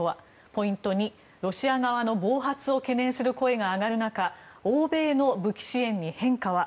ポイント２ロシア側の暴発を懸念する声が上がる中欧米の武器支援に変化は？